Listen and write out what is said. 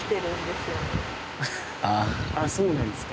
あっそうなんですか。